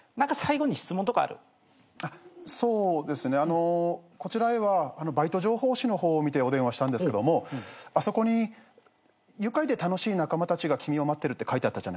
あのこちらへはバイト情報誌の方を見てお電話したんですけどもあそこに「愉快で楽しい仲間たちが君を待ってる」って書いてあったじゃないですか。